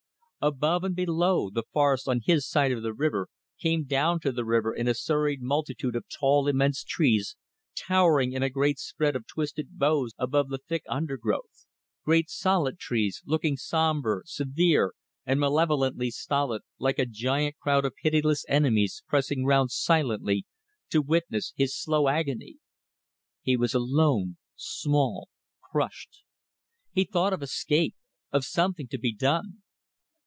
Above and below, the forests on his side of the river came down to the water in a serried multitude of tall, immense trees towering in a great spread of twisted boughs above the thick undergrowth; great, solid trees, looking sombre, severe, and malevolently stolid, like a giant crowd of pitiless enemies pressing round silently to witness his slow agony. He was alone, small, crushed. He thought of escape of something to be done.